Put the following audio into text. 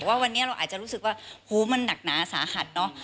ว่าวันนี้เราอาจจะรู้สึกว่าโหมันหนักหนาสาหัสเนอะ